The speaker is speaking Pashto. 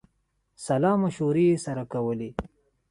سلامشورې یې سره کولې.